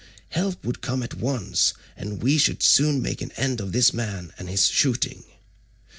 Help would come at once, and we should soon make an end of this man and his shooting."